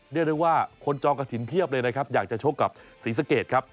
เรียกได้ว่าคนจองกระถิ่นเพียบเลยนะครับอยากจะชกกับศรีสะเกดครับ